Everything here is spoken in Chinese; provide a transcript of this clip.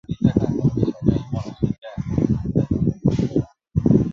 音速小子的夥伴艾美及劲敌金属索尼克并于本作中首次出现。